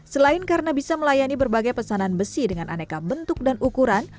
selain karena bisa melayani berbagai pesanan besi dengan aneka bentuk dan ukuran